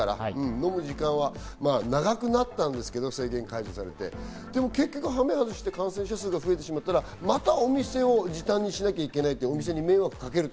飲む時間は長くなったんですけど、制限が解除されて、でも羽目を外して感染者数が増えたら、またお店を時短にしなきゃいけない、お店に迷惑をかける。